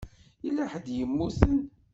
Yella ḥedd i yemmuten.